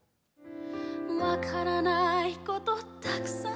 「わからないことたくさん」